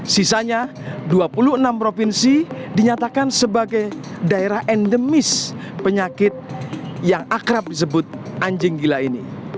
sisanya dua puluh enam provinsi dinyatakan sebagai daerah endemis penyakit yang akrab disebut anjing gila ini